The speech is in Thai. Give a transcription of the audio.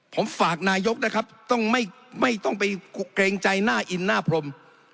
ผมฝากนายกนะครับต้องไม่ต้องไปเกรงใจหน้าอินหน้าพรม